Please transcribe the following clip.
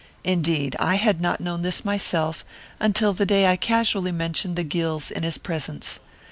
Indeed, I had not known this myself until the day I casually mentioned the Gills in his presence.